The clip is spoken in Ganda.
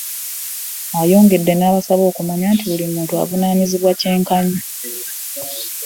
Ayongedde n'abasaba okumanya nti buli muntu avunaanyizibwa kyenkanyi